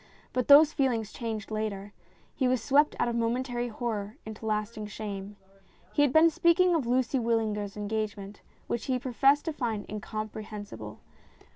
But those feelings changed later. He was swept out of momentary horror into lasting shame. He had been speaking of Lucy Wyllinger's engagement, which he professed to find incompre hensible.